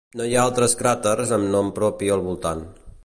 No hi ha altres cràters amb nom propi al voltant.